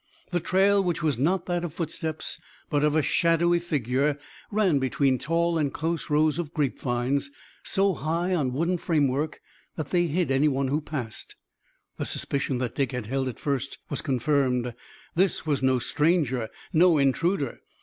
The trail which was not that of footsteps, but of a shadowy figure, ran between tall and close rows of grapevines so high on wooden framework that they hid any one who passed. The suspicion that Dick had held at first was confirmed. This was no stranger, no intruder.